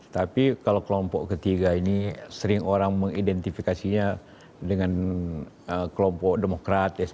tapi kalau kelompok ketiga ini sering orang mengidentifikasinya dengan kelompok demokrat